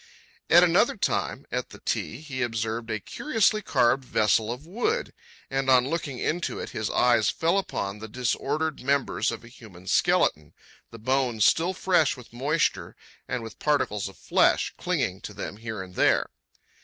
At another time, at the Ti, he "observed a curiously carved vessel of wood," and on looking into it his eyes "fell upon the disordered members of a human skeleton, the bones still fresh with moisture, and with particles of flesh clinging to them here and there."